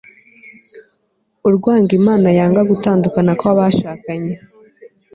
urwango imana yanga gutandukana kw'abashakanye